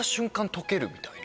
溶けるみたいな。